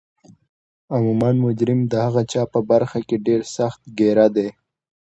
عموما مجرم د هغه چا په برخه کې ډیر سخت ګیره دی